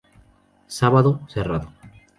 Sábado: Cerrado.